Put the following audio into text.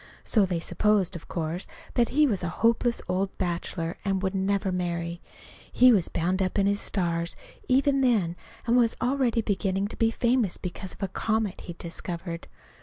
So they supposed, of course, that he was a hopeless old bachelor and wouldn't ever marry. He was bound up in his stars, even then, and was already beginning to be famous, because of a comet he'd discovered.